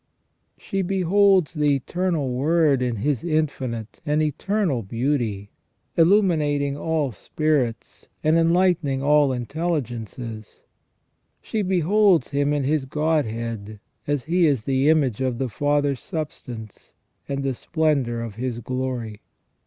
She beholds the Eternal Word in His infinite and eternal beauty, illuminating all spirits and enlightening all intelligences. She beholds Him in His Godhead as He is the image of the FROM THE BEGINNING TO THE END OF MAN. 401 Father's substance and the splendour of His glory.